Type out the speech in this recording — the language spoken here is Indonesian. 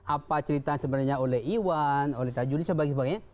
apa cerita sebenarnya oleh iwan oleh tajuli sebagainya